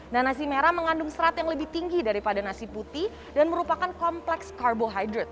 nah nasi merah mengandung serat yang lebih tinggi daripada nasi putih dan merupakan kompleks karbohidrat